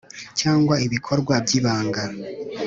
cyangwa ibikorwa by’ibanga.